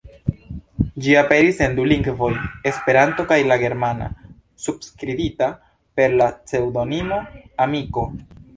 Ĝi aperis en du lingvoj: Esperanto kaj la germana, subskribita per la pseŭdonimo "Amiko".